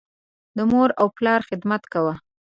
د مور او پلار خدمت کوه.